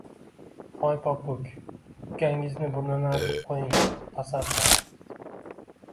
Hoy popuk, ukangizni burnini artib qo‘ying, tasadduq!